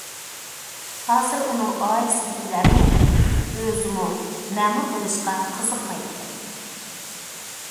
ھازىر ئۇنىڭ ئائىلىسىدىكىلەرمۇ، ئۆزىمۇ مەمۇر بولۇشقا قىزىقمايدىكەن.